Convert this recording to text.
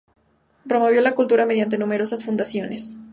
Promovió la cultura mediante numerosas fundaciones.